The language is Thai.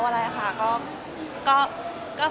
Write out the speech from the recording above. ก็ให้ไปคิดเอาเอง